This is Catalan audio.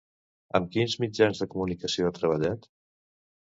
Amb quins mitjans de comunicació ha treballat?